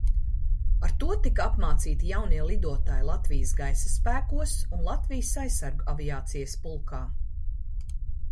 Ar to tika apmācīti jaunie lidotāji Latvijas Gaisa spēkos un Latvijas Aizsargu aviācijas pulkā.